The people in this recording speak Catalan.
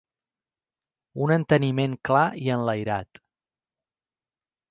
Un enteniment clar i enlairat.